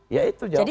ya itu jawabannya